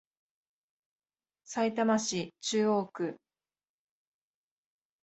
さいたま市中央区